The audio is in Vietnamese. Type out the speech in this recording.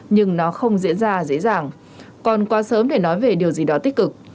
nhưng nó không diễn ra dễ dàng còn quá sớm để nói về điều gì đó tích cực